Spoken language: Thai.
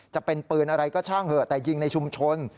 จะเป็นปืนอะไรก็ช่างเถอะแต่ยิงในชุมชน